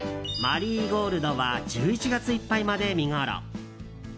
マリーゴールドは１１月いっぱいまで見ごろ。